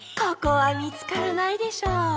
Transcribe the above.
ここはみつからないでしょう。